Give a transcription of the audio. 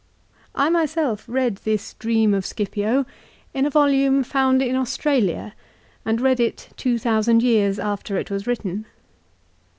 I myself read this dream of Scipio in a volume found in Australia, and read it two thousand years after it was written.